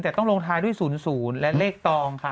แต่ต้องลงท้ายด้วย๐๐และเลขตองครับ